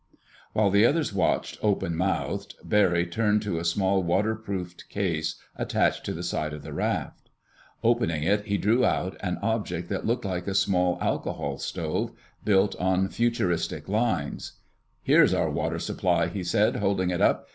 While the others watched, open mouthed, Barry turned to a small, waterproofed case attached to the side of the raft. Opening it he drew out an object that looked like a small alcohol stove built on futuristic lines. "Here's our water supply," he said, holding it up.